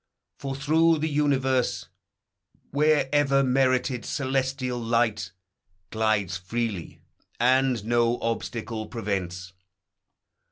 For, through the universe, Wherever merited, celestial light Glides freely, and no obstacle prevents.